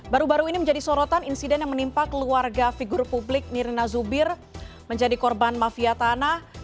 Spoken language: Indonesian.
baru baru ini menjadi sorotan insiden yang menimpa keluarga figur publik nirina zubir menjadi korban mafia tanah